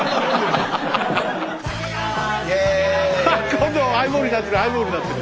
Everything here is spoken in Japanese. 今度ハイボールになってるハイボールになってる。